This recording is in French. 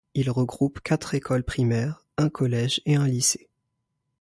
Il regroupe quatre écoles primaires, un collège et un lycée.